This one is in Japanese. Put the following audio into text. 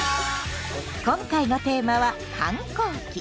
今回のテーマは「反抗期」！